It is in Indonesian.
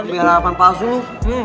biar apaan palsu lu